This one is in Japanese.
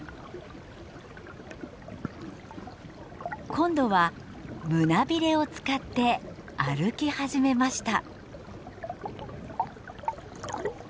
今度は胸びれを使って歩き始めました。